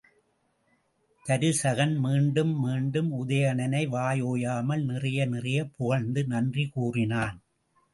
தருசகன் மீண்டும் மீண்டும் உதயணனை வாய் ஓயாமல் நிறைய நிறையப் புகழ்ந்து நன்றி கூறினான்.